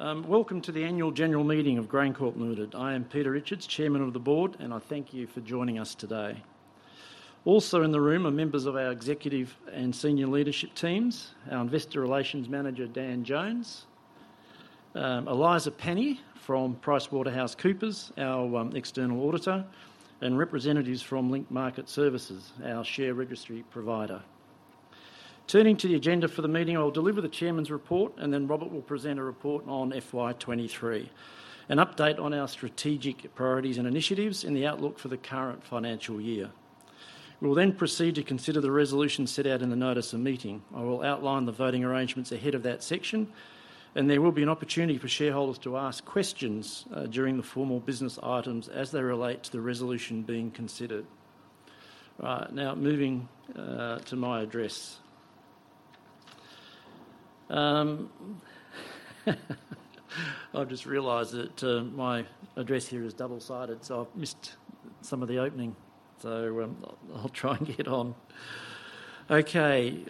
Welcome to the annual general meeting of GrainCorp Limited. I am Peter Richards, Chairman of the board, and I thank you for joining us today. Also in the room are members of our executive and senior leadership teams, our investor relations manager Dan Jones, Eliza Penny from PricewaterhouseCoopers, our external auditor, and representatives from Link Market Services, our share registry provider. Turning to the agenda for the meeting, I'll deliver the Chairman's report and then Robert will present a report on FY 2023, an update on our strategic priorities and initiatives in the outlook for the current financial year. We'll then proceed to consider the resolution set out in the notice of meeting. I will outline the voting arrangements ahead of that section, and there will be an opportunity for shareholders to ask questions during the formal business items as they relate to the resolution being considered. Now, moving to my address. I've just realized that my address here is double-sided, so I've missed some of the opening, so I'll try and get on. Okay.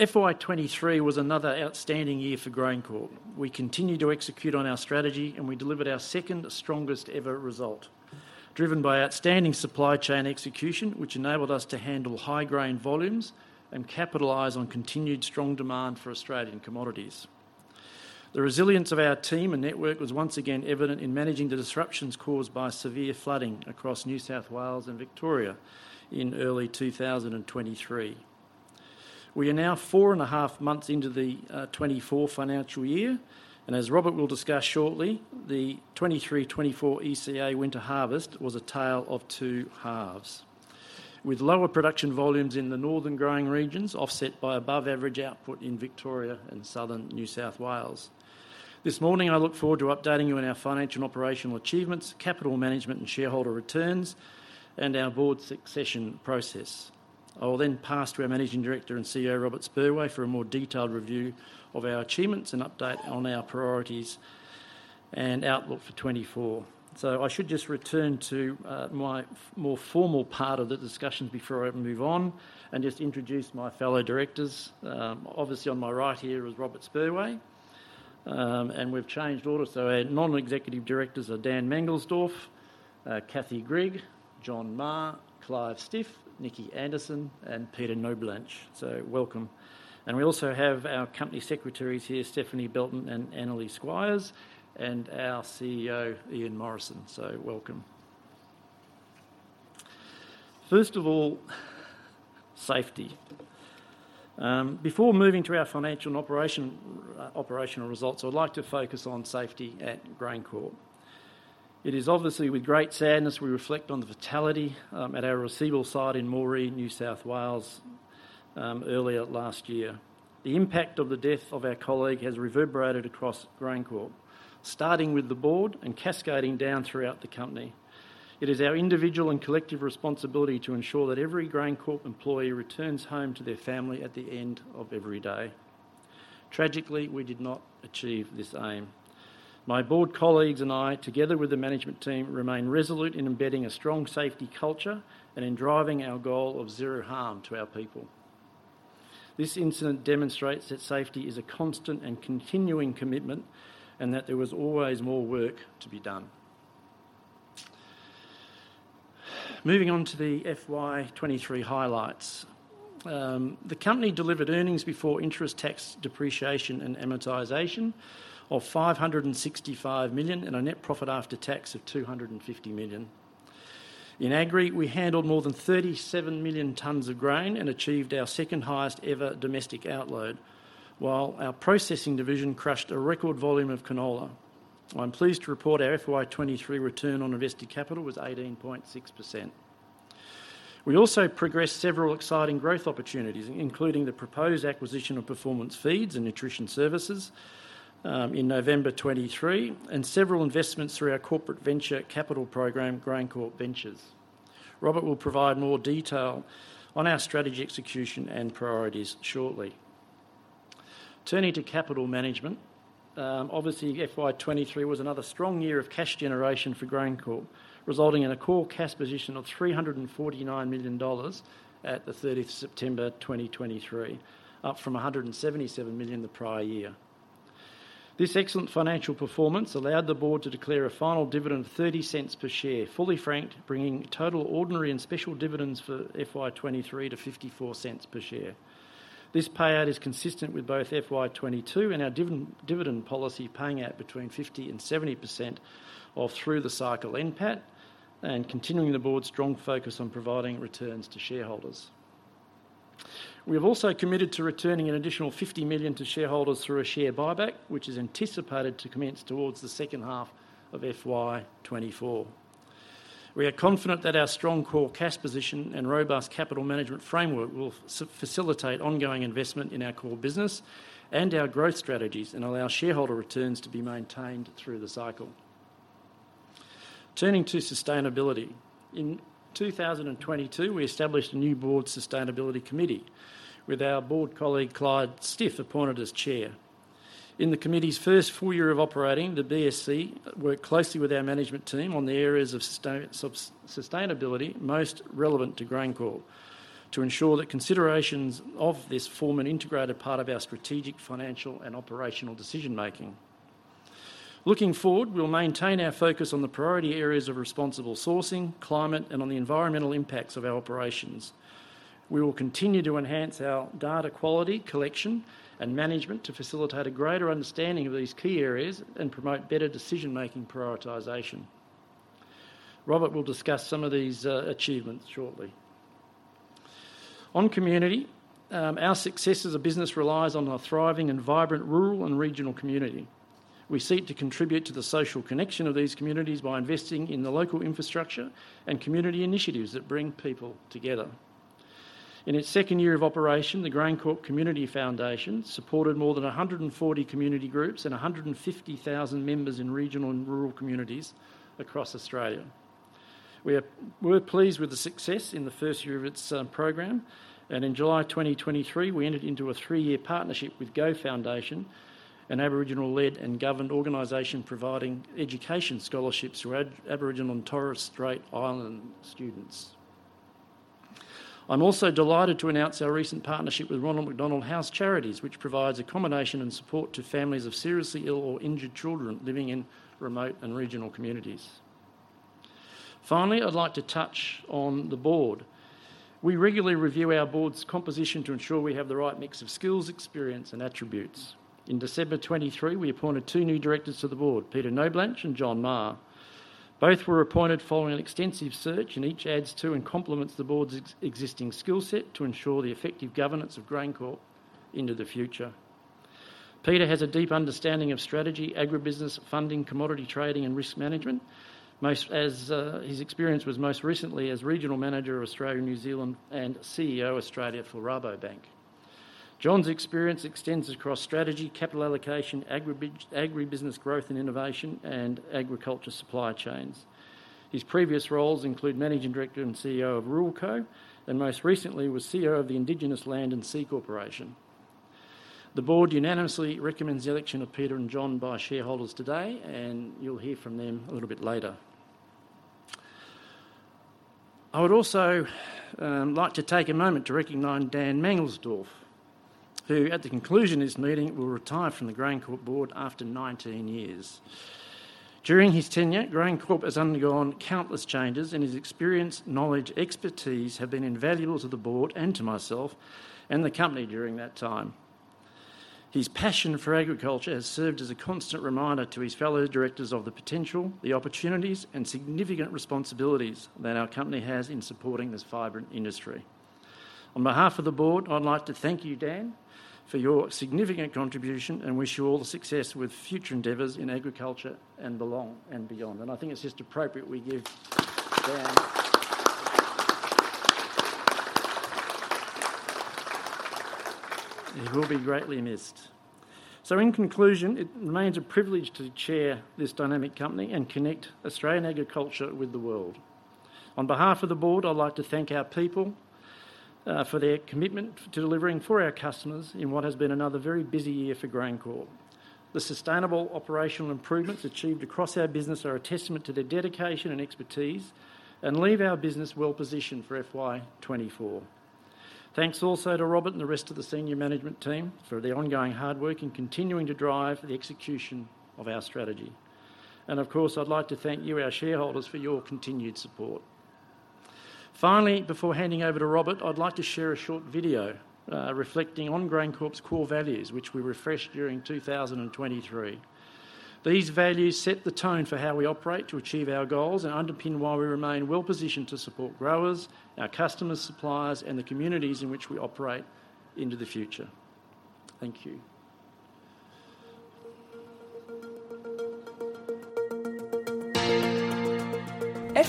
FY 2023 was another outstanding year for GrainCorp. We continue to execute on our strategy, and we delivered our second strongest-ever result, driven by outstanding supply chain execution, which enabled us to handle high grain volumes and capitalize on continued strong demand for Australian commodities. The resilience of our team and network was once again evident in managing the disruptions caused by severe flooding across New South Wales and Victoria in early 2023. We are now four and a half months into the 2024 financial year, and as Robert will discuss shortly, the 2023-2024 ECA winter harvest was a tale of two halves, with lower production volumes in the northern growing regions offset by above-average output in Victoria and southern New South Wales. This morning, I look forward to updating you on our financial and operational achievements, capital management and shareholder returns, and our board succession process. I will then pass to our Managing Director and CEO, Robert Spurway, for a more detailed review of our achievements and update on our priorities and outlook for 2024. So I should just return to my more formal part of the discussion before I move on and just introduce my fellow directors. Obviously, on my right here is Robert Spurway, and we've changed order. So our non-executive directors are Dan Mangelsdorf, Kathy Grigg, John Maher, Clive Stiff, Nicky Anderson, and Peter Knoblanche. So welcome. And we also have our company secretaries here, Stephanie Belton and Annerly Squires, and our CEO, Ian Morrison. So welcome. First of all, Safety. Before moving to our financial and operational results, I would like to focus on Safety at GrainCorp. It is obviously with great sadness we reflect on the fatality at our receival site in Moree, New South Wales, earlier last year. The impact of the death of our colleague has reverberated across GrainCorp, starting with the board and cascading down throughout the company. It is our individual and collective responsibility to ensure that every GrainCorp employee returns home to their family at the end of every day. Tragically, we did not achieve this aim. My board colleagues and I, together with the management team, remain resolute in embedding a strong Safety culture and in driving our goal of zero harm to our people. This incident demonstrates that Safety is a constant and continuing commitment and that there was always more work to be done. Moving on to the FY 2023 highlights. The company delivered earnings before interest, tax, depreciation, and amortization of 565 million and a net profit after tax of 250 million. In agri, we handled more than 37 million tons of grain and achieved our second highest-ever domestic outload, while our processing division crushed a record volume of canola. I'm pleased to report our FY 2023 return on invested capital was 18.6%. We also progressed several exciting growth opportunities, including the proposed acquisition of Performance Feeds and Nutrition Services in November 2023 and several investments through our corporate venture capital program, GrainCorp Ventures. Robert will provide more detail on our strategy execution and priorities shortly. Turning to capital management. Obviously, FY 2023 was another strong year of cash generation for GrainCorp, resulting in a core cash position of 349 million dollars at the 30th of September 2023, up from 177 million the prior year. This excellent financial performance allowed the board to declare a final dividend of 0.30 per share, fully franked, bringing total ordinary and special dividends for FY 2023 to 0.54 per share. This payout is consistent with both FY 2022 and our dividend policy paying out between 50%-70% through the cycle NPAT and continuing the board's strong focus on providing returns to shareholders. We have also committed to returning an additional 50 million to shareholders through a share buyback, which is anticipated to commence towards the second half of FY 2024. We are confident that our strong core cash position and robust capital management framework will facilitate ongoing investment in our core business and our growth strategies and allow shareholder returns to be maintained through the cycle. Turning to sustainability. In 2022, we established a new Board Sustainability Committee with our board colleague Clive Stiff appointed as chair. In the committee's first full year of operating, the BSC worked closely with our management team on the areas of sustainability most relevant to GrainCorp to ensure that considerations of this form an integrated part of our strategic financial and operational decision-making. Looking forward, we'll maintain our focus on the priority areas of responsible sourcing, climate, and on the environmental impacts of our operations. We will continue to enhance our data quality collection and management to facilitate a greater understanding of these key areas and promote better decision-making prioritization. Robert will discuss some of these achievements shortly. On community. Our success as a business relies on a thriving and vibrant rural and regional community. We seek to contribute to the social connection of these communities by investing in the local infrastructure and community initiatives that bring people together. In its second year of operation, the GrainCorp Community Foundation supported more than 140 community groups and 150,000 members in regional and rural communities across Australia. We were pleased with the success in the first year of its program, and in July 2023, we entered into a three-year partnership with Go Foundation, an Aboriginal-led and governed organization providing education scholarships to Aboriginal and Torres Strait Islander students. I'm also delighted to announce our recent partnership with Ronald McDonald House Charities, which provides accommodation and support to families of seriously ill or injured children living in remote and regional communities. Finally, I'd like to touch on the board. We regularly review our board's composition to ensure we have the right mix of skills, experience, and attributes. In December 2023, we appointed two new directors to the board, Peter Knoblanche and John Maher. Both were appointed following an extensive search, and each adds to and complements the board's existing skill set to ensure the effective governance of GrainCorp into the future. Peter has a deep understanding of strategy, agribusiness, funding, commodity trading, and risk management, as his experience was most recently as Regional Manager of Australia New Zealand and CEO Australia for Rabobank. John's experience extends across strategy, capital allocation, agribusiness growth and innovation, and agriculture supply chains. His previous roles include Managing Director and CEO of Ruralco, and most recently was CEO of the Indigenous Land and Sea Corporation. The board unanimously recommends the election of Peter and John by shareholders today, and you'll hear from them a little bit later. I would also like to take a moment to recognise Dan Mangelsdorf, who, at the conclusion of this meeting, will retire from the GrainCorp board after 19 years. During his tenure, GrainCorp has undergone countless changes, and his experience, knowledge, expertise have been invaluable to the board and to myself and the company during that time. His passion for agriculture has served as a constant reminder to his fellow directors of the potential, the opportunities, and significant responsibilities that our company has in supporting this vibrant industry. On behalf of the board, I'd like to thank you, Dan, for your significant contribution and wish you all the success with future endeavors in agriculture and beyond. And I think it's just appropriate we give Dan. He will be greatly missed. So in conclusion, it remains a privilege to chair this dynamic company and connect Australian agriculture with the world. On behalf of the board, I'd like to thank our people for their commitment to delivering for our customers in what has been another very busy year for GrainCorp. The sustainable operational improvements achieved across our business are a testament to their dedication and expertise and leave our business well-positioned for FY 2024. Thanks also to Robert and the rest of the senior management team for the ongoing hard work and continuing to drive the execution of our strategy. Of course, I'd like to thank you, our shareholders, for your continued support. Finally, before handing over to Robert, I'd like to share a short video reflecting on GrainCorp's core values, which we refreshed during 2023. These values set the tone for how we operate to achieve our goals and underpin why we remain well-positioned to support growers, our customers, suppliers, and the communities in which we operate into the future. Thank you.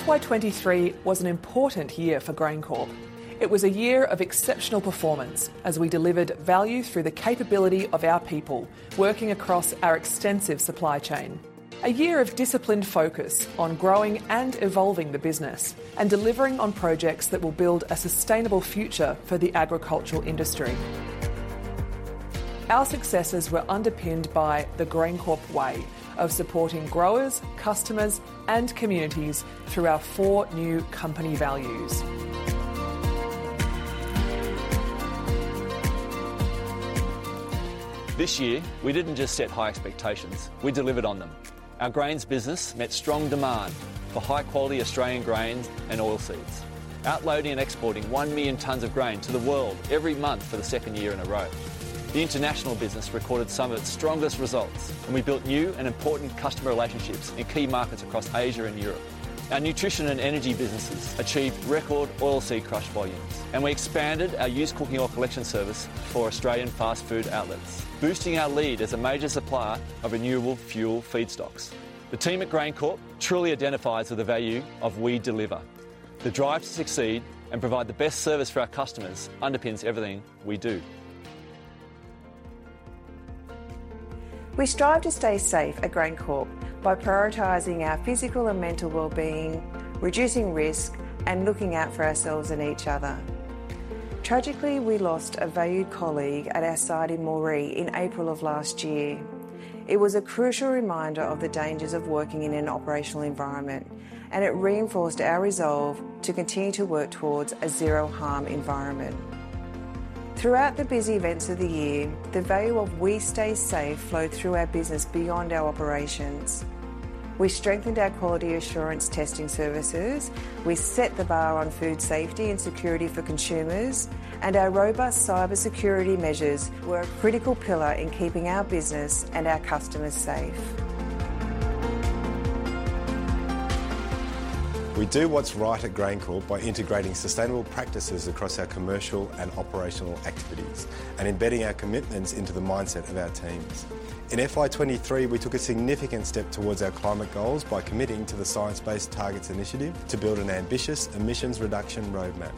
FY 2023 was an important year for GrainCorp. It was a year of exceptional performance as we delivered value through the capability of our people working across our extensive supply chain. A year of disciplined focus on growing and evolving the business and delivering on projects that will build a sustainable future for the agricultural industry. Our successes were underpinned by the GrainCorp way of supporting growers, customers, and communities through our four new company values. This year, we didn't just set high expectations. We delivered on them. Our grains business met strong demand for high-quality Australian grains and oilseeds, outloading and exporting 1 million tonnes of grain to the world every month for the second year in a row. The international business recorded some of its strongest results, and we built new and important customer relationships in key markets across Asia and Europe. Our nutrition and energy businesses achieved record oilseed crush volumes, and we expanded our used cooking oil collection service for Australian fast food outlets, boosting our lead as a major supplier of renewable fuel feedstocks. The team at GrainCorp truly identifies with the value of "We deliver." The drive to succeed and provide the best service for our customers underpins everything we do. We strive to stay safe at GrainCorp by prioritizing our physical and mental well-being, reducing risk, and looking out for ourselves and each other. Tragically, we lost a valued colleague at our site in Moree in April of last year. It was a crucial reminder of the dangers of working in an operational environment, and it reinforced our resolve to continue to work towards a zero-harm environment. Throughout the busy events of the year, the value of "We stay safe" flowed through our business beyond our operations. We strengthened our quality assurance testing services. We set the bar on food Safety and security for consumers, and our robust cybersecurity measures were a critical pillar in keeping our business and our customers safe. We do what's right at GrainCorp by integrating sustainable practices across our commercial and operational activities and embedding our commitments into the mindset of our teams. In FY 2023, we took a significant step towards our climate goals by committing to the Science Based Targets Initiative to build an ambitious emissions reduction roadmap.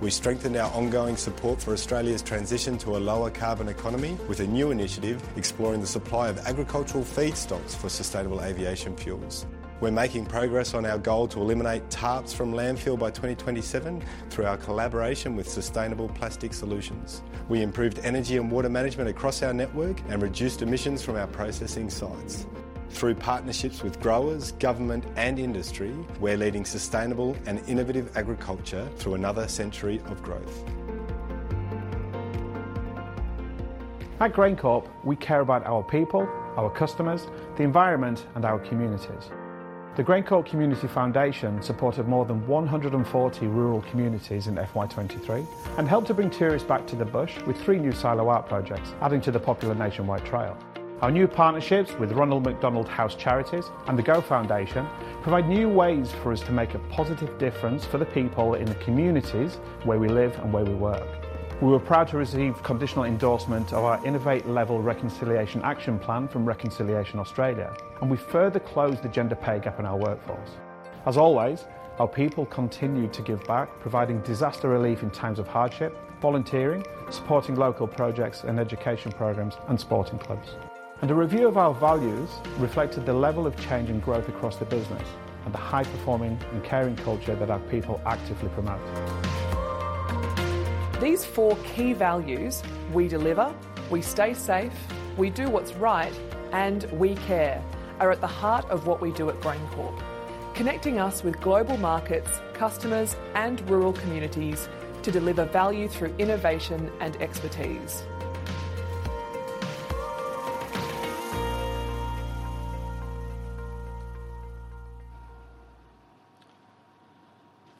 We strengthened our ongoing support for Australia's transition to a lower carbon economy with a new initiative exploring the supply of agricultural feedstocks for sustainable aviation fuels. We're making progress on our goal to eliminate tarps from landfill by 2027 through our collaboration with Sustainable Plastic Solutions. We improved energy and water management across our network and reduced emissions from our processing sites. Through partnerships with growers, government, and industry, we're leading sustainable and innovative agriculture through another century of growth. At GrainCorp, we care about our people, our customers, the environment, and our communities. The GrainCorp Community Foundation supported more than 140 rural communities in FY 2023 and helped to bring tourists back to the bush with three new silo out projects, adding to the popular nationwide trail. Our new partnerships with Ronald McDonald House Charities and the Go Foundation provide new ways for us to make a positive difference for the people in the communities where we live and where we work. We were proud to receive conditional endorsement of our Innovate Level Reconciliation Action Plan from Reconciliation Australia, and we further closed the gender pay gap in our workforce. As always, our people continued to give back, providing disaster relief in times of hardship, volunteering, supporting local projects and education programs, and sporting clubs. A review of our values reflected the level of change and growth across the business and the high-performing and caring culture that our people actively promote. These four key values (We deliver, We stay safe, We do what's right, and We care) are at the heart of what we do at GrainCorp: connecting us with global markets, customers, and rural communities to deliver value through innovation and expertise.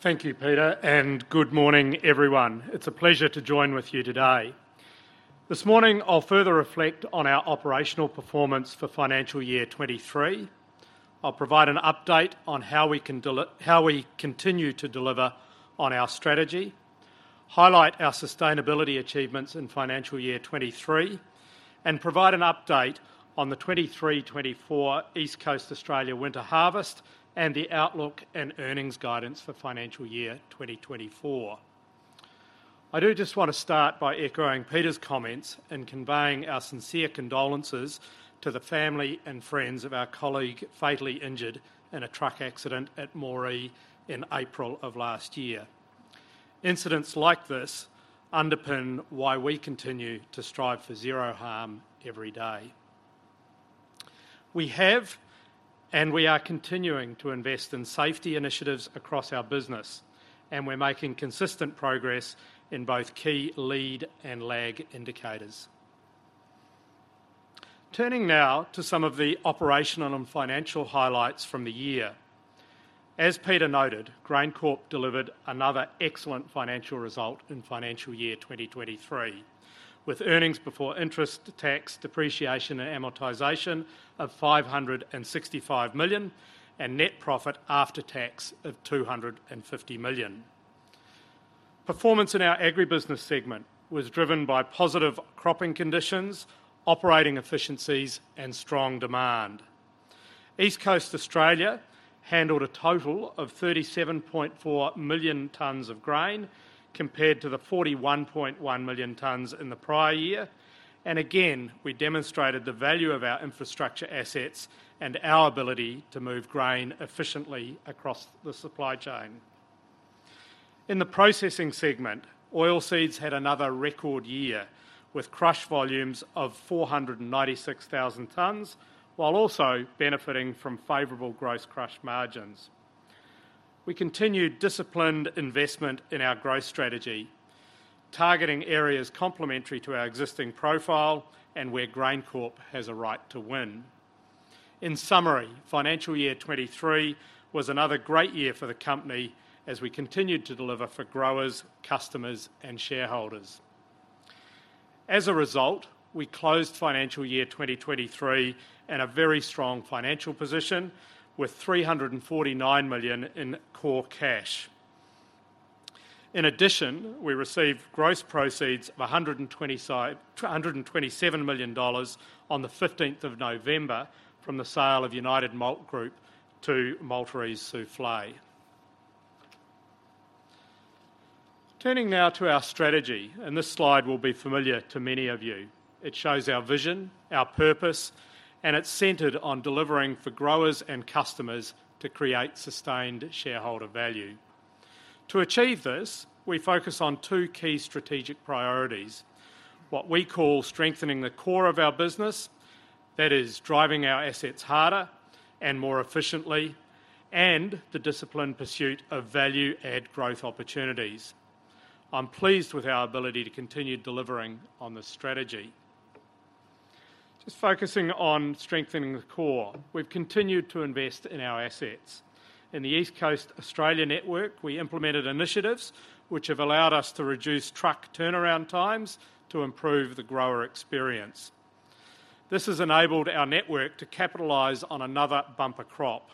Thank you, Peter, and good morning, everyone. It's a pleasure to join with you today. This morning, I'll further reflect on our operational performance for financial year 2023. I'll provide an update on how we continue to deliver on our strategy, highlight our sustainability achievements in financial year 2023, and provide an update on the 2023-2024 East Coast Australia winter harvest and the outlook and earnings guidance for financial year 2020-2024. I do just want to start by echoing Peter's comments and conveying our sincere condolences to the family and friends of our colleague fatally injured in a truck accident at Moree in April of last year. Incidents like this underpin why we continue to strive for zero harm every day. We have, and we are continuing to invest in Safety initiatives across our business, and we're making consistent progress in both key lead and lag indicators. Turning now to some of the operational and financial highlights from the year. As Peter noted, GrainCorp delivered another excellent financial result in financial year 2020-2023, with earnings before interest, tax, depreciation, and amortization of 565 million, and net profit after tax of 250 million. Performance in our agribusiness segment was driven by positive cropping conditions, operating efficiencies, and strong demand. East Coast Australia handled a total of 37.4 million tonnes of grain compared to the 41.1 million tonnes in the prior year, and again, we demonstrated the value of our infrastructure assets and our ability to move grain efficiently across the supply chain. In the processing segment, oilseeds had another record year with crush volumes of 496,000 tonnes while also benefiting from favorable gross crush margins. We continued disciplined investment in our growth strategy, targeting areas complementary to our existing profile and where GrainCorp has a right to win. In summary, financial year 2023 was another great year for the company as we continued to deliver for growers, customers, and shareholders. As a result, we closed financial year 2020-2023 in a very strong financial position with 349 million in core cash. In addition, we received gross proceeds of 127 million dollars on the 15th of November from the sale of United Malt Group to Malteries Soufflet. Turning now to our strategy, and this slide will be familiar to many of you. It shows our vision, our purpose, and it's centered on delivering for growers and customers to create sustained shareholder value. To achieve this, we focus on two key strategic priorities: what we call strengthening the core of our business, that is, driving our assets harder and more efficiently, and the disciplined pursuit of value-add growth opportunities. I'm pleased with our ability to continue delivering on this strategy. Just focusing on strengthening the core, we've continued to invest in our assets. In the East Coast Australia network, we implemented initiatives which have allowed us to reduce truck turnaround times to improve the grower experience. This has enabled our network to capitalize on another bumper crop.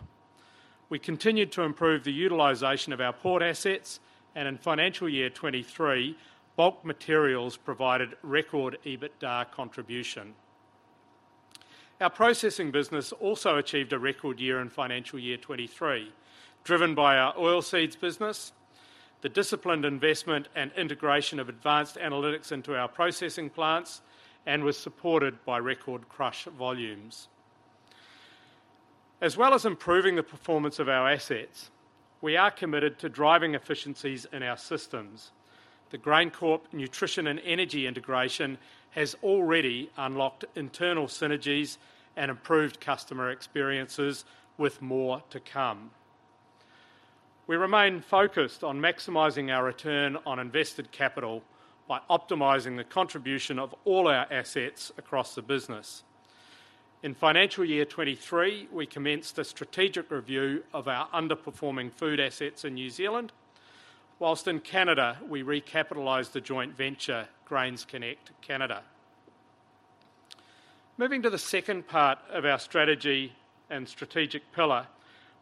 We continued to improve the utilization of our port assets, and in financial year 2023, bulk materials provided record EBITDA contribution. Our processing business also achieved a record year in financial year 2023, driven by our oilseeds business, the disciplined investment and integration of advanced analytics into our processing plants, and was supported by record crush volumes. As well as improving the performance of our assets, we are committed to driving efficiencies in our systems. The GrainCorp Nutrition and Energy Integration has already unlocked internal synergies and improved customer experiences with more to come. We remain focused on maximizing our return on invested capital by optimizing the contribution of all our assets across the business. In financial year 2023, we commenced a strategic review of our underperforming food assets in New Zealand, while in Canada, we recapitalised the joint venture GrainsConnect Canada. Moving to the second part of our strategy and strategic pillar,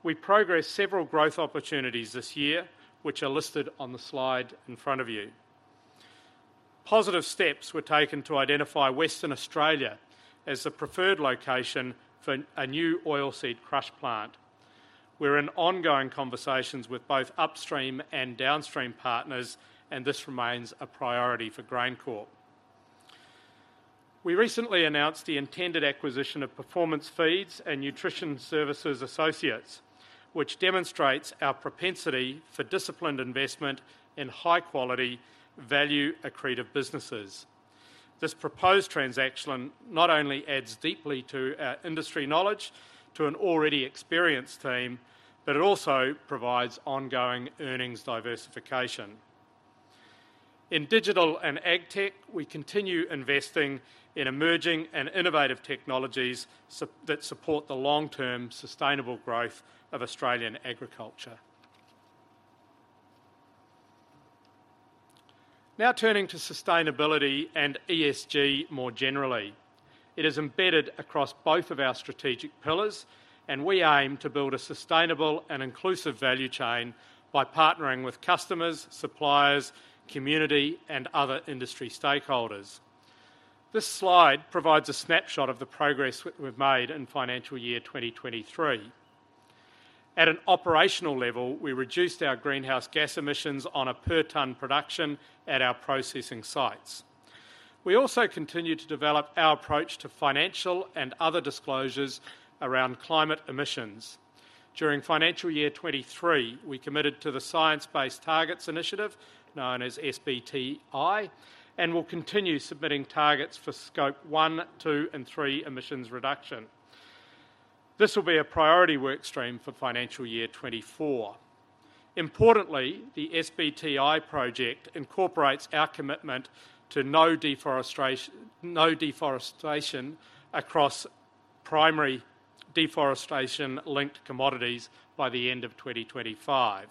we progressed several growth opportunities this year, which are listed on the slide in front of you. Positive steps were taken to identify Western Australia as the preferred location for a new oilseed crush plant. We're in ongoing conversations with both upstream and downstream partners, and this remains a priority for GrainCorp. We recently announced the intended acquisition of Performance Feeds and Nutrition Service Associates, which demonstrates our propensity for disciplined investment in high-quality, value-accretive businesses. This proposed transaction not only adds deeply to our industry knowledge, to an already experienced team, but it also provides ongoing earnings diversification. In digital and ag tech, we continue investing in emerging and innovative technologies that support the long-term sustainable growth of Australian agriculture. Now turning to sustainability and ESG more generally. It is embedded across both of our strategic pillars, and we aim to build a sustainable and inclusive value chain by partnering with customers, suppliers, community, and other industry stakeholders. This slide provides a snapshot of the progress we've made in financial year 2023. At an operational level, we reduced our greenhouse gas emissions on a per-tonne production at our processing sites. We also continue to develop our approach to financial and other disclosures around climate emissions. During financial year 2023, we committed to the Science Based Targets initiative, known as SBTi, and will continue submitting targets for Scope 1, 2, and 3 emissions reduction. This will be a priority workstream for financial year 2024. Importantly, the SBTi project incorporates our commitment to no deforestation across primary deforestation-linked commodities by the end of 2025.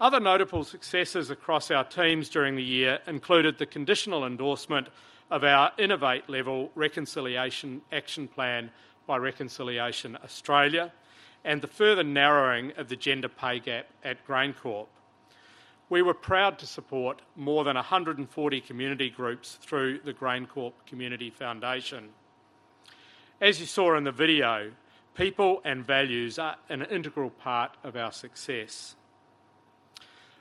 Other notable successes across our teams during the year included the conditional endorsement of our Innovate Level Reconciliation Action Plan by Reconciliation Australia and the further narrowing of the gender pay gap at GrainCorp. We were proud to support more than 140 community groups through the GrainCorp Community Foundation. As you saw in the video, people and values are an integral part of our success.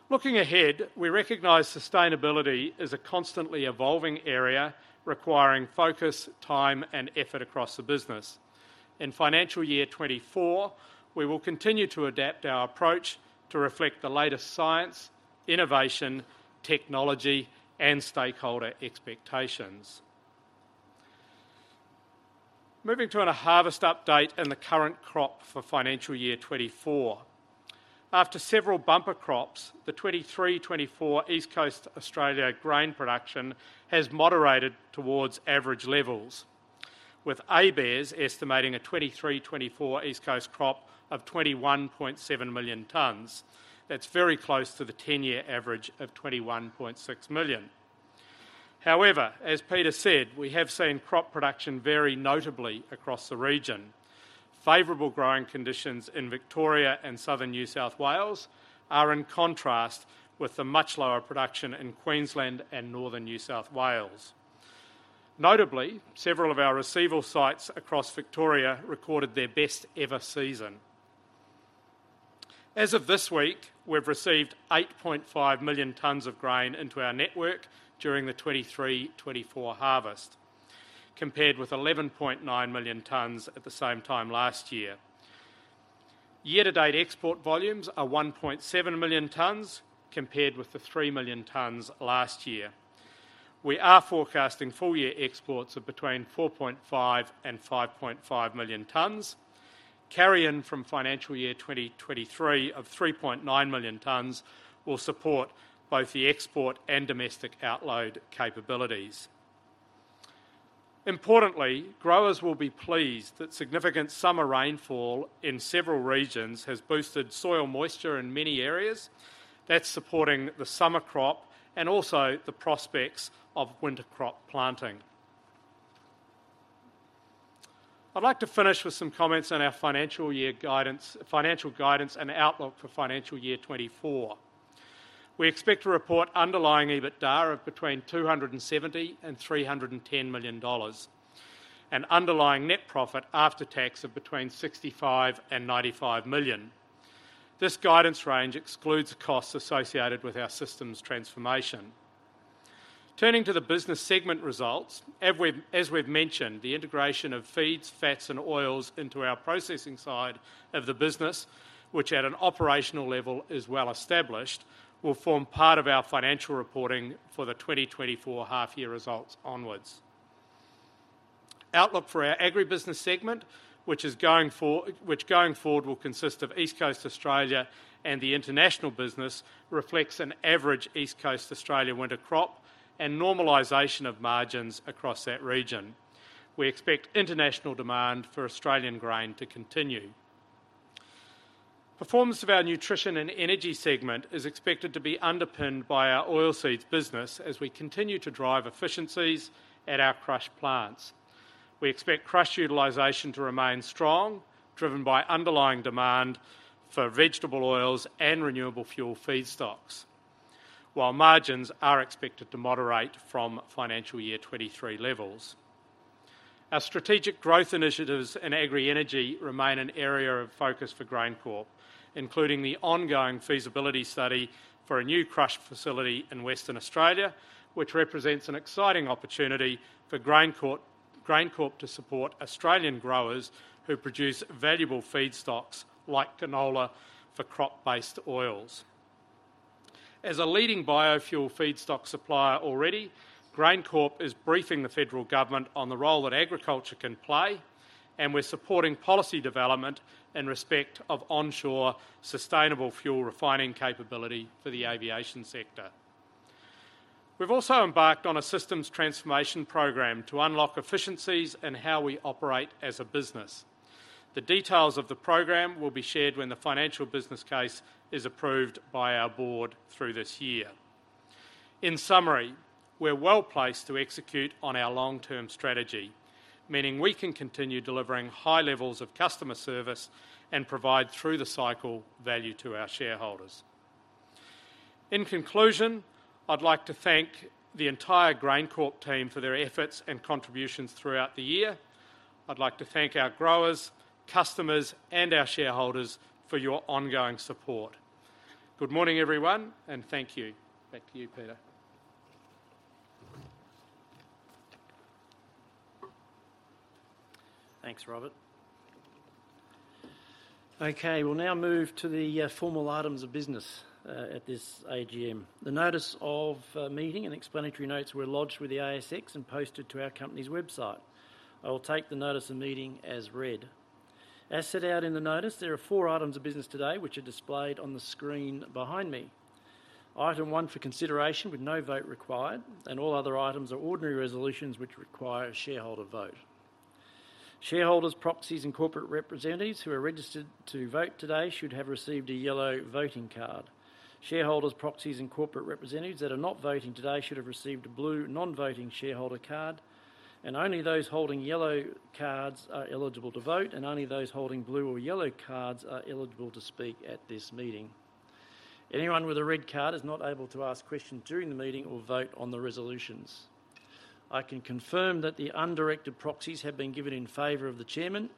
Looking ahead, we recognize sustainability is a constantly evolving area requiring focus, time, and effort across the business. In financial year 2024, we will continue to adapt our approach to reflect the latest science, innovation, technology, and stakeholder expectations. Moving to a harvest update and the current crop for financial year 2024. After several bumper crops, the 2023-2024 East Coast Australia grain production has moderated towards average levels, with ABARES estimating a 2023-2024 East Coast crop of 21.7 million tonnes. That's very close to the 10-year average of 21.6 million. However, as Peter said, we have seen crop production vary notably across the region. Favorable growing conditions in Victoria and southern New South Wales are in contrast with the much lower production in Queensland and northern New South Wales. Notably, several of our receival sites across Victoria recorded their best-ever season. As of this week, we've received 8.5 million tonnes of grain into our network during the 2023-2024 harvest, compared with 11.9 million tonnes at the same time last year. Year-to-date export volumes are 1.7 million tonnes compared with the 3 million tonnes last year. We are forecasting full-year exports of between 4.5 and 5.5 million tonnes. Carry-in from financial year 2023 of 3.9 million tonnes will support both the export and domestic outload capabilities. Importantly, growers will be pleased that significant summer rainfall in several regions has boosted soil moisture in many areas. That's supporting the summer crop and also the prospects of winter crop planting. I'd like to finish with some comments on our financial guidance and outlook for financial year 2024. We expect to report underlying EBITDA of between 270 million and 310 million dollars and underlying net profit after tax of between 65 million and 95 million. This guidance range excludes the costs associated with our system's transformation. Turning to the business segment results, as we've mentioned, the integration of feeds, fats, and oils into our processing side of the business, which at an operational level is well established, will form part of our financial reporting for the 2024 half-year results onwards. Outlook for our agribusiness segment, which going forward will consist of East Coast Australia and the international business, reflects an average East Coast Australia winter crop and normalization of margins across that region. We expect international demand for Australian grain to continue. Performance of our nutrition and energy segment is expected to be underpinned by our oilseeds business as we continue to drive efficiencies at our crush plants. We expect crush utilization to remain strong, driven by underlying demand for vegetable oils and renewable fuel feedstocks, while margins are expected to moderate from Financial Year 2023 levels. Our strategic growth initiatives in agri-energy remain an area of focus for GrainCorp, including the ongoing feasibility study for a new crush facility in Western Australia, which represents an exciting opportunity for GrainCorp to support Australian growers who produce valuable feedstocks like canola for crop-based oils. As a leading biofuel feedstock supplier already, GrainCorp is briefing the federal government on the role that agriculture can play, and we're supporting policy development in respect of onshore sustainable fuel refining capability for the aviation sector. We've also embarked on a systems transformation program to unlock efficiencies in how we operate as a business. The details of the program will be shared when the financial business case is approved by our board through this year. In summary, we're well placed to execute on our long-term strategy, meaning we can continue delivering high levels of customer service and provide through the cycle value to our shareholders. In conclusion, I'd like to thank the entire GrainCorp team for their efforts and contributions throughout the year. I'd like to thank our growers, customers, and our shareholders for your ongoing support. Good morning, everyone, and thank you. Back to you, Peter. Thanks, Robert. Okay, we'll now move to the formal items of business at this AGM. The notice of meeting and explanatory notes were lodged with the ASX and posted to our company's website. I will take the notice of meeting as read. As set out in the notice, there are four items of business today which are displayed on the screen behind me. Item one for consideration with no vote required, and all other items are ordinary resolutions which require a shareholder vote. Shareholders, proxies, and corporate representatives who are registered to vote today should have received a yellow voting card. Shareholders, proxies, and corporate representatives that are not voting today should have received a blue non-voting shareholder card, and only those holding yellow cards are eligible to vote, and only those holding blue or yellow cards are eligible to speak at this meeting. Anyone with a red card is not able to ask questions during the meeting or vote on the resolutions. I can confirm that the undirected proxies have been given in favor of the chairman.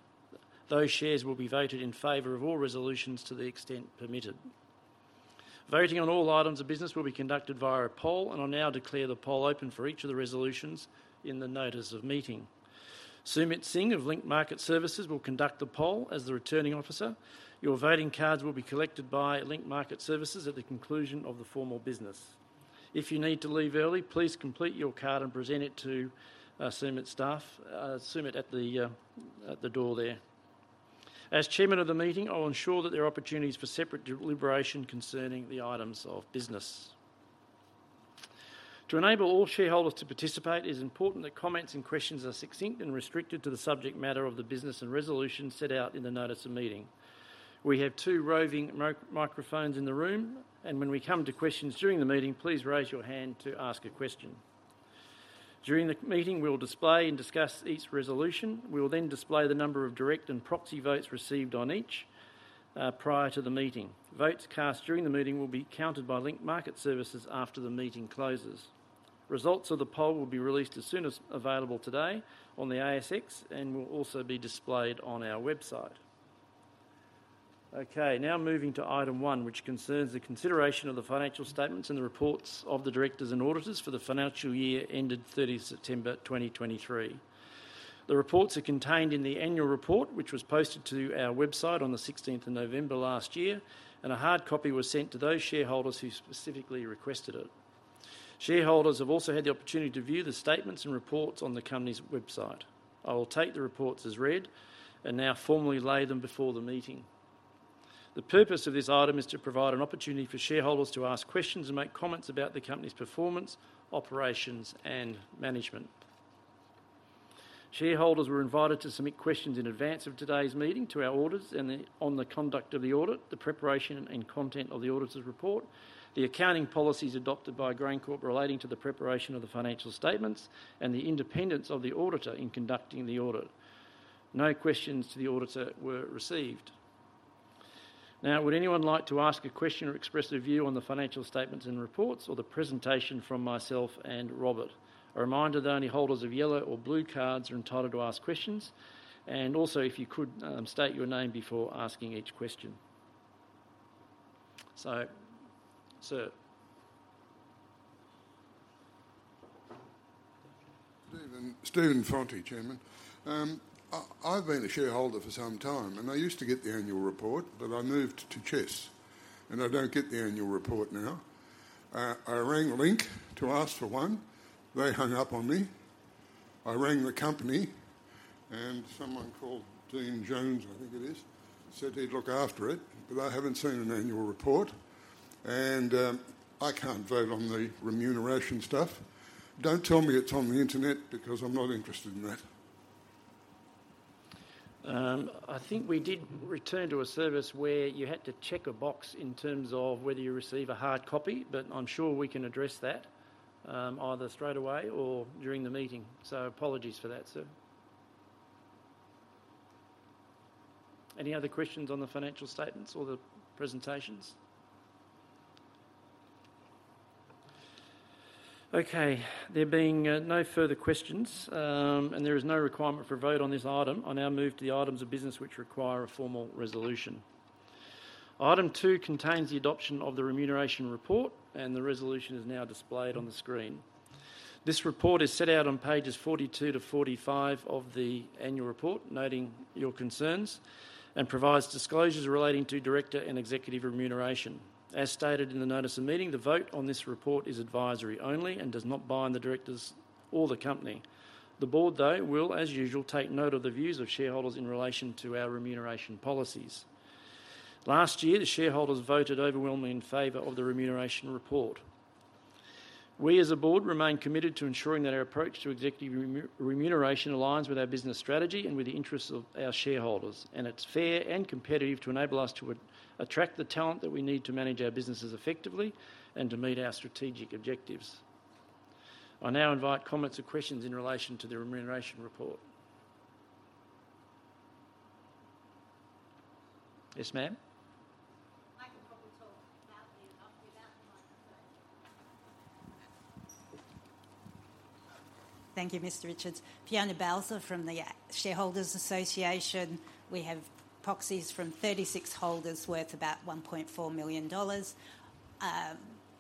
Those shares will be voted in favor of all resolutions to the extent permitted. Voting on all items of business will be conducted via a poll, and I'll now declare the poll open for each of the resolutions in the notice of meeting. Sumit Singh of Link Market Services will conduct the poll as the returning officer. Your voting cards will be collected by Link Market Services at the conclusion of the formal business. If you need to leave early, please complete your card and present it to Sumit's staff at the door there. As chairman of the meeting, I'll ensure that there are opportunities for separate deliberation concerning the items of business. To enable all shareholders to participate, it is important that comments and questions are succinct and restricted to the subject matter of the business and resolution set out in the notice of meeting. We have two roving microphones in the room, and when we come to questions during the meeting, please raise your hand to ask a question. During the meeting, we'll display and discuss each resolution. We'll then display the number of direct and proxy votes received on each prior to the meeting. Votes cast during the meeting will be counted by Link Market Services after the meeting closes. Results of the poll will be released as soon as available today on the ASX and will also be displayed on our website. Okay, now moving to item one, which concerns the consideration of the financial statements and the reports of the directors and auditors for the financial year ended 30 September 2023. The reports are contained in the annual report, which was posted to our website on the 16th of November last year, and a hard copy was sent to those shareholders who specifically requested it. Shareholders have also had the opportunity to view the statements and reports on the company's website. I will take the reports as read and now formally lay them before the meeting. The purpose of this item is to provide an opportunity for shareholders to ask questions and make comments about the company's performance, operations, and management. Shareholders were invited to submit questions in advance of today's meeting to our auditors on the conduct of the audit, the preparation and content of the auditor's report, the accounting policies adopted by GrainCorp relating to the preparation of the financial statements, and the independence of the auditor in conducting the audit. No questions to the auditor were received. Now, would anyone like to ask a question or express a view on the financial statements and reports or the presentation from myself and Robert? A reminder that only holders of yellow or blue cards are entitled to ask questions, and also if you could state your name before asking each question. So, sir. Stephan Fonte, chairman. I've been a shareholder for some time, and I used to get the annual report, but I moved to chess, and I don't get the annual report now. I rang Link to ask for one. They hung up on me. I rang the company, and someone called Dan Jones, I think it is, said he'd look after it, but I haven't seen an annual report. And I can't vote on the remuneration stuff. Don't tell me it's on the internet because I'm not interested in that. I think we did return to a service where you had to check a box in terms of whether you receive a hard copy, but I'm sure we can address that either straightaway or during the meeting. So, apologies for that, sir. Any other questions on the financial statements or the presentations? Okay, there being no further questions and there is no requirement for a vote on this item, I now move to the items of business which require a formal resolution. Item 2 contains the adoption of the remuneration report, and the resolution is now displayed on the screen. This report is set out on pages 42-45 of the annual report, noting your concerns, and provides disclosures relating to director and executive remuneration. As stated in the notice of meeting, the vote on this report is advisory only and does not bind the directors or the company. The board, though, will, as usual, take note of the views of shareholders in relation to our remuneration policies. Last year, the shareholders voted overwhelmingly in favor of the remuneration report. We, as a board, remain committed to ensuring that our approach to executive remuneration aligns with our business strategy and with the interests of our shareholders, and it's fair and competitive to enable us to attract the talent that we need to manage our businesses effectively and to meet our strategic objectives. I now invite comments or questions in relation to the remuneration report. Yes, ma'am? I can probably talk loudly enough without the microphone. Thank you, Mr. Richards. Fiona Balzer from the Australian Shareholders' Association. We have proxies from 36 holders worth about 1.4 million dollars.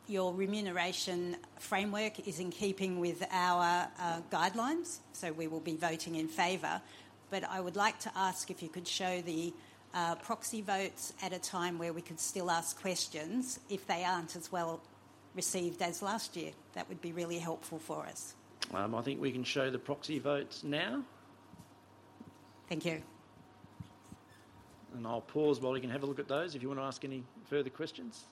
Your remuneration framework is in keeping with our guidelines, so we will be voting in favor. But I would like to ask if you could show the proxy votes at a time where we could still ask questions, if they aren't as well received as last year. That would be really helpful for us. I think we can show the proxy votes now. Thank you. I'll pause while you can have a look at those if you want to ask any further questions.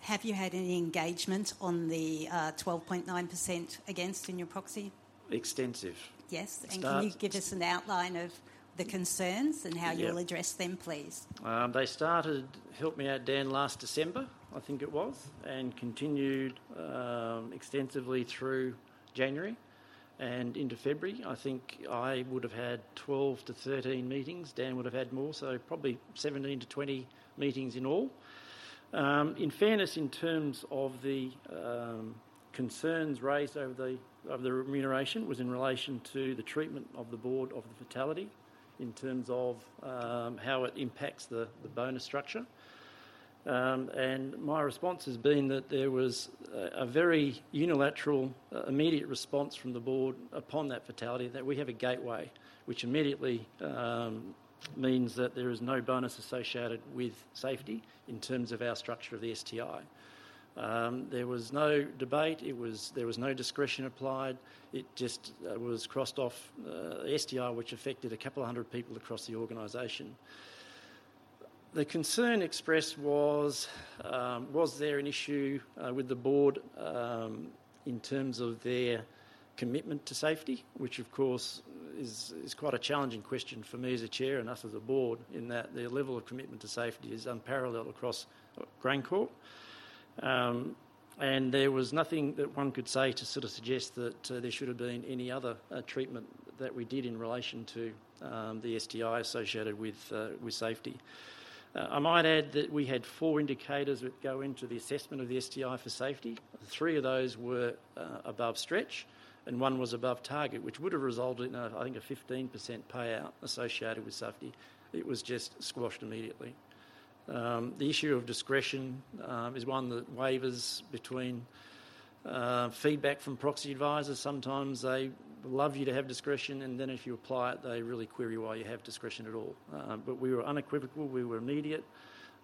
Have you had any engagement on the 12.9% against in your proxy? Extensive. Yes. Can you give us an outline of the concerns and how you'll address them, please? They started helping out Dan last December, I think it was, and continued extensively through January and into February. I think I would have had 12-13 meetings. Dan would have had more, so probably 17-20 meetings in all. In fairness, in terms of the concerns raised over the remuneration, it was in relation to the treatment of the board of the fatality in terms of how it impacts the bonus structure. My response has been that there was a very unilateral, immediate response from the board upon that fatality that we have a gateway, which immediately means that there is no bonus associated with Safety in terms of our structure of the STI. There was no debate. There was no discretion applied. It just was crossed off the STI, which affected a couple of hundred people across the organization. The concern expressed was there an issue with the board in terms of their commitment to Safety, which, of course, is quite a challenging question for me as a chair and us as a board in that their level of commitment to Safety is unparalleled across GrainCorp. There was nothing that one could say to sort of suggest that there should have been any other treatment that we did in relation to the STI associated with Safety. I might add that we had four indicators that go into the assessment of the STI for Safety. 3 of those were above stretch, and one was above target, which would have resulted in, I think, a 15% payout associated with Safety. It was just squashed immediately. The issue of discretion is one that wavers between feedback from proxy advisors. Sometimes they love you to have discretion, and then if you apply it, they really query why you have discretion at all. But we were unequivocal. We were immediate.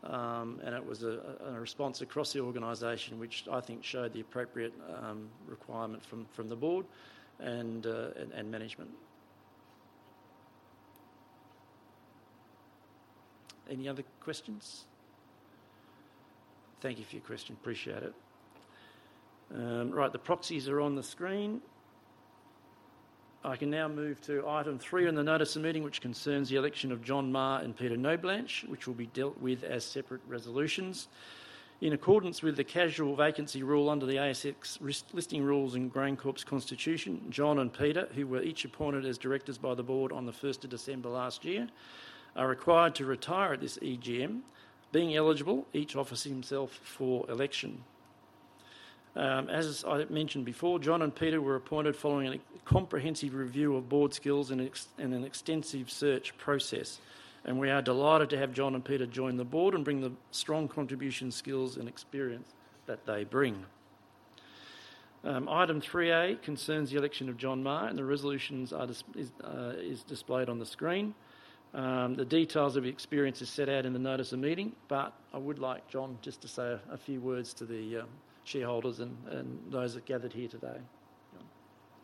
And it was a response across the organization, which I think showed the appropriate requirement from the board and management. Any other questions? Thank you for your question. Appreciate it. Right, the proxies are on the screen. I can now move to item three in the notice of meeting, which concerns the election of John Maher and Peter Knoblanche, which will be dealt with as separate resolutions. In accordance with the casual vacancy rule under the ASX listing rules and GrainCorp's constitution, John and Peter, who were each appointed as directors by the board on the 1st of December last year, are required to retire at this EGM, being eligible, each offering himself for election. As I mentioned before, John and Peter were appointed following a comprehensive review of board skills and an extensive search process. We are delighted to have John and Peter join the board and bring the strong contribution skills and experience that they bring. Item 3A concerns the election of John Maher, and the resolutions are displayed on the screen. The details of the experience are set out in the notice of meeting, but I would like, John, just to say a few words to the shareholders and those that gathered here today. Thank you, Peter. Good morning,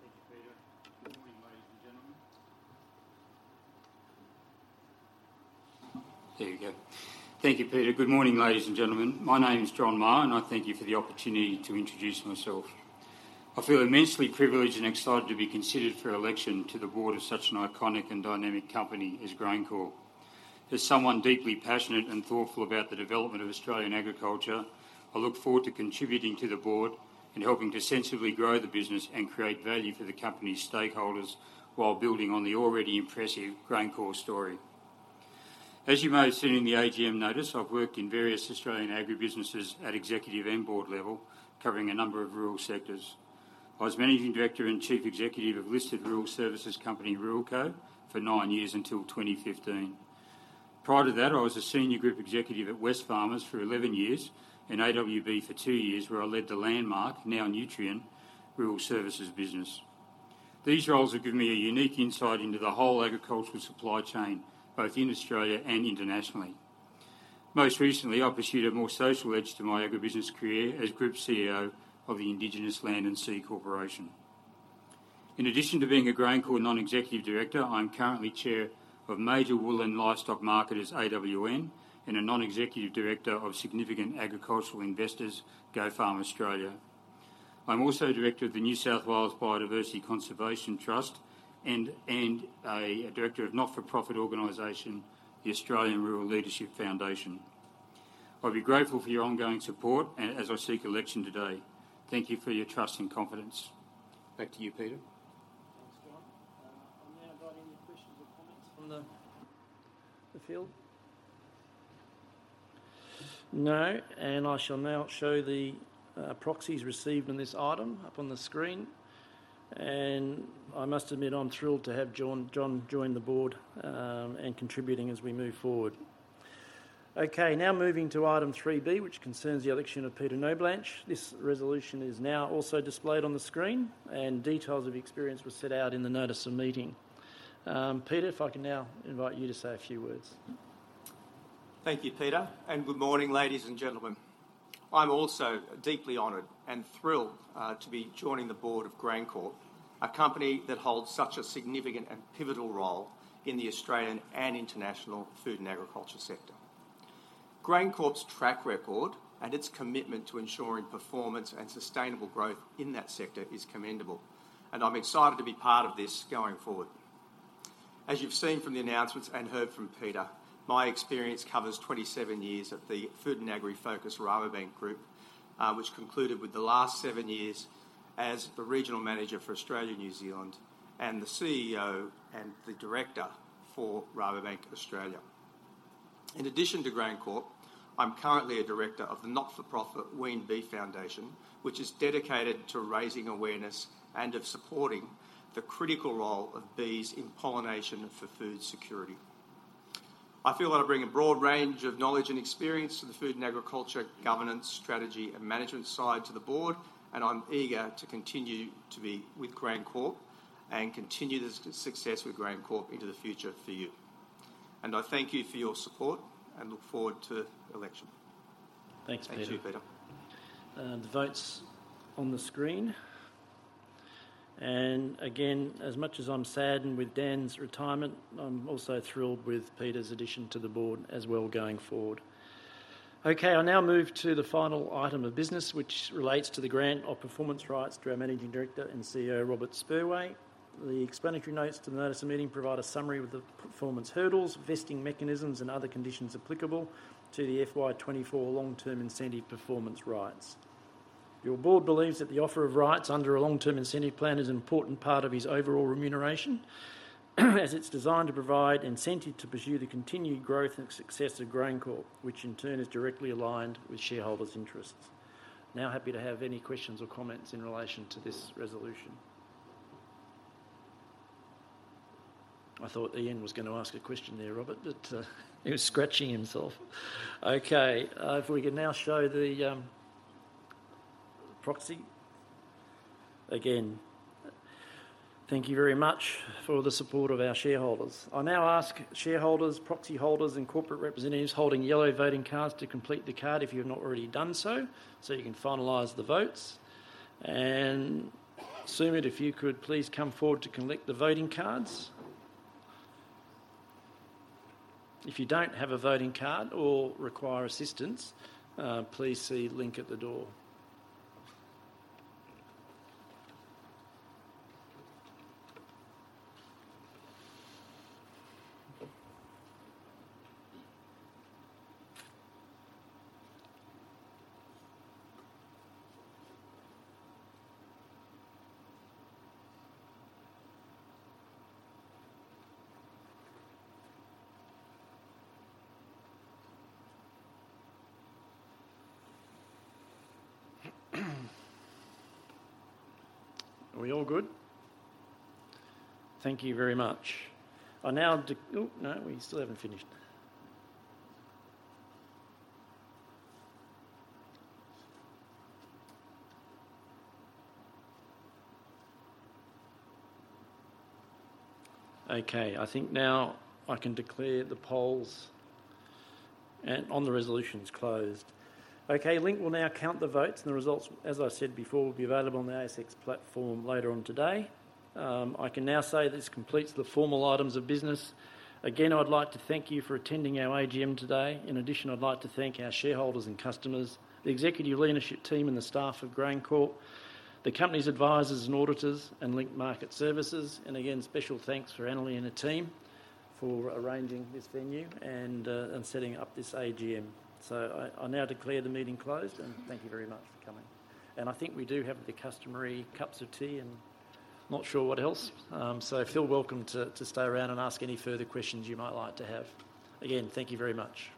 ladies and gentlemen. There you go. Thank you, Peter. Good morning, ladies and gentlemen. My name is John Maher, and I thank you for the opportunity to introduce myself. I feel immensely privileged and excited to be considered for election to the board of such an iconic and dynamic company as GrainCorp. As someone deeply passionate and thoughtful about the development of Australian agriculture, I look forward to contributing to the board and helping to sensibly grow the business and create value for the company's stakeholders while building on the already impressive GrainCorp story. As you may have seen in the AGM notice, I've worked in various Australian agribusinesses at executive and board level, covering a number of rural sectors. I was managing director and chief executive of listed rural services company Ruralco for nine years until 2015. Prior to that, I was a senior group executive at Wesfarmers for 11 years and AWB for 2 years, where I led the landmark, now Nutrien, rural services business. These roles have given me a unique insight into the whole agricultural supply chain, both in Australia and internationally. Most recently, I pursued a more social edge to my agribusiness career as group CEO of the Indigenous Land and Sea Corporation. In addition to being a GrainCorp non-executive director, I'm currently chair of major wool and livestock marketers, AWN, and a non-executive director of significant agricultural investors, GO.FARM Australia. I'm also director of the New South Wales Biodiversity Conservation Trust and a director of not-for-profit organization, the Australian Rural Leadership Foundation. I'll be grateful for your ongoing support as I seek election today. Thank you for your trust and confidence. Back to you, Peter. Thanks, John. I'm now inviting the questions or comments from the field. No, and I shall now show the proxies received in this item up on the screen. I must admit, I'm thrilled to have John join the board and contributing as we move forward. Okay, now moving to item 3B, which concerns the election of Peter Knoblanche. This resolution is now also displayed on the screen, and details of experience were set out in the notice of meeting. Peter, if I can now invite you to say a few words. Thank you, Peter, and good morning, ladies and gentlemen. I'm also deeply honored and thrilled to be joining the board of GrainCorp, a company that holds such a significant and pivotal role in the Australian and international food and agriculture sector. GrainCorp's track record and its commitment to ensuring performance and sustainable growth in that sector is commendable, and I'm excited to be part of this going forward. As you've seen from the announcements and heard from Peter, my experience covers 27 years at the food and agri-focused Rabobank Group, which concluded with the last seven years as the regional manager for Australia-New Zealand and the CEO and the director for Rabobank Australia. In addition to GrainCorp, I'm currently a director of the not-for-profit Wheen Bee Foundation, which is dedicated to raising awareness and of supporting the critical role of bees in pollination for food security. I feel that I bring a broad range of knowledge and experience to the food and agriculture governance, strategy, and management side to the board, and I'm eager to continue to be with GrainCorp and continue the success with GrainCorp into the future for you. I thank you for your support and look forward to election. Thanks, Peter. Thank you, Peter. The votes on the screen. And again, as much as I'm saddened with Dan's retirement, I'm also thrilled with Peter's addition to the board as well going forward. Okay, I now move to the final item of business, which relates to the grant of performance rights to our Managing Director and CEO, Robert Spurway. The explanatory notes to the notice of meeting provide a summary of the performance hurdles, vesting mechanisms, and other conditions applicable to the FY 2024 long-term incentive performance rights. Your board believes that the offer of rights under a long-term incentive plan is an important part of his overall remuneration, as it's designed to provide incentive to pursue the continued growth and success of GrainCorp, which in turn is directly aligned with shareholders' interests. Now, happy to have any questions or comments in relation to this resolution. I thought Ian was going to ask a question there, Robert, but he was scratching himself. Okay, if we can now show the proxy. Again, thank you very much for the support of our shareholders. I now ask shareholders, proxy holders, and corporate representatives holding yellow voting cards to complete the card if you have not already done so, so you can finalize the votes. And Sumit, if you could please come forward to collect the voting cards. If you don't have a voting card or require assistance, please see the link at the door. Are we all good? Thank you very much. I now, no, we still haven't finished. Okay, I think now I can declare the polls on the resolutions closed. Okay, Link will now count the votes, and the results, as I said before, will be available on the ASX platform later on today. I can now say this completes the formal items of business. Again, I'd like to thank you for attending our AGM today. In addition, I'd like to thank our shareholders and customers, the executive leadership team and the staff of GrainCorp, the company's advisors and auditors, and Link Market Services. And again, special thanks for Annalee and her team for arranging this venue and setting up this AGM. So I now declare the meeting closed, and thank you very much for coming. And I think we do have the customary cups of tea and not sure what else. So feel welcome to stay around and ask any further questions you might like to have. Again, thank you very much.